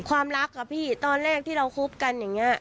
ความรักอะพี่ตอนแรกที่เราคบกันอย่างนี้